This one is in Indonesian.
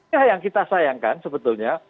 ya yang kita sayangkan sebetulnya